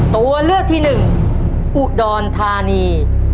ตัวเลือกที่หนึ่งอุดรธานี